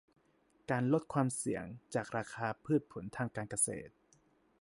การลดความเสี่ยงจากราคาพืชผลทางการเกษตร